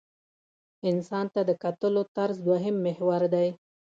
انسان ته د کتلو طرز دویم محور دی.